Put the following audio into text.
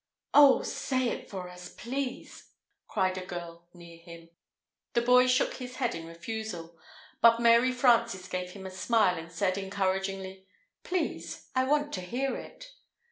"Oh, say it for us, please!" cried a girl near him. The boy shook his head in refusal, but Mary Frances gave him a smile and said, encouragingly, "Please, I want to hear it."